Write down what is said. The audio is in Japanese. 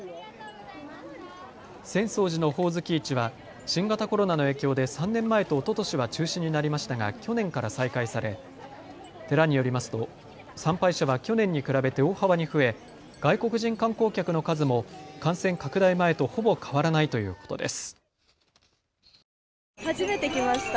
浅草寺のほおずき市は新型コロナの影響で３年前とおととしは中止になりましたが去年から再開され、寺によりますと参拝者は去年に比べて大幅に増え外国人観光客の数も感染拡大前とほぼ変わらないということです。